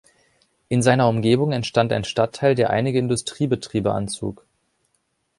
In seiner Umgebung entstand ein Stadtteil, der einige Industriebetriebe anzog.